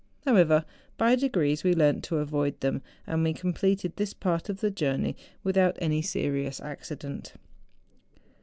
However, by degrees, we learnt to avoid them, and we completed this part of the journey without any serious accident.